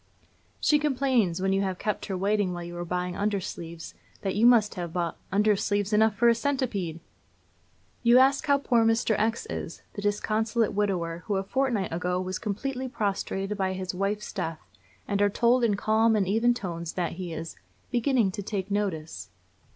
She complains, when you have kept her waiting while you were buying undersleeves, that you must have bought 'undersleeves enough for a centipede.' You ask how poor Mr. X is the disconsolate widower who a fortnight ago was completely prostrated by his wife's death, and are told in calm and even tones that he is 'beginning to take notice.'